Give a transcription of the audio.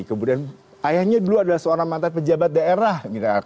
kemudian ayahnya dulu adalah seorang mantan pejabat daerah